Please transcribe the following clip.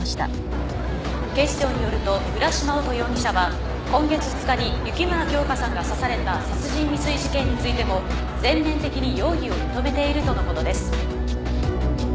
警視庁によると浦島乙容疑者は今月２日に雪村京花さんが刺された殺人未遂事件についても全面的に容疑を認めているとのことです。